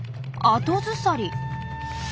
後ずさり。